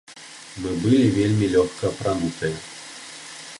Мы былі вельмі лёгка апранутыя.